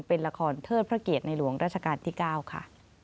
เป็นละครเทศพระเกศในหลวงราชกาลที่๙ค่ะ